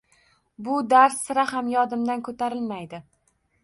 Bu dars sira ham yodimdan ko`tarilmaydi…